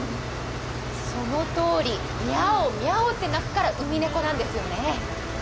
そのとおり、ミャオミャオと鳴くからウミネコなんですね。